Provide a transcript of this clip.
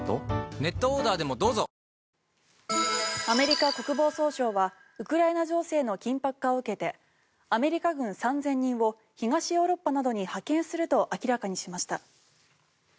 アメリカ国防総省はウクライナ情勢の緊迫化を受けてアメリカ軍３０００人を東ヨーロッパなどに派遣すると明らかにしました。